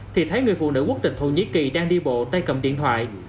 thì thấy người phụ nữ quốc tịch thổ nhĩ kỳ đang đi bộ tay cầm điện thoại